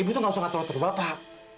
ibu tuh gak usah ngatur atur bapak